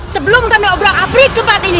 sebelum kami obrak afrik ke tempat ini